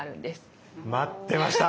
待ってました！